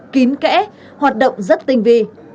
kín kẽ hoạt động rất tinh vị